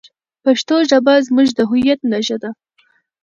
پښتو ژبه زموږ د هویت نښه ده.